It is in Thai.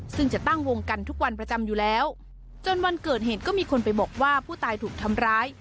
ซึ่งจะตั้งวงกันทุกวันประจำอยู่แล้วจนวันเกิดเหตุก็มีคนไปบอกว่าผู้ตายถูกทำร้าย